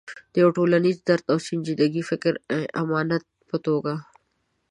د یو ټولنیز درد او سنجیده فکري امانت په توګه.